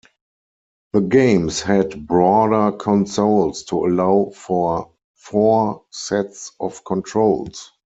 The games had broader consoles to allow for four sets of controls.